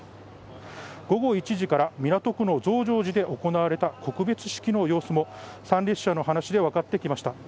午後１時から港区の増上寺で行われた告別式の様子も参列者の話で分かってきました。